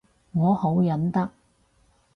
我好忍得